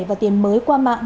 và tiền mới qua mạng